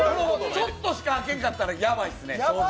ちょっとしか開けんかったらやばいですね。